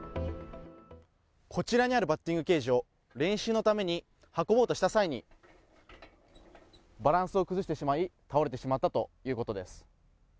こちらにあるバッティングケージを練習のために運ぼうとした際にバランスを崩してしまい、倒れてしまったということです。